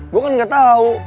gue kan gak tau